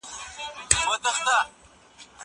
زه کولای سم درسونه اورم.